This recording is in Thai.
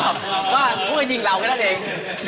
ว่าเคยยิงเรากันเอง